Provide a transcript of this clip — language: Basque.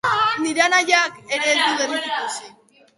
Nire anaia ere ez dut berriz ikusi.